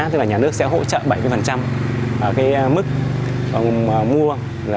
tức là nhà nước sẽ hỗ trợ bảy cái mức mua